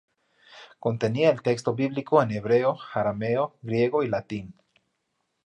Contenía el texto bíblico en hebreo, arameo, griego y latín.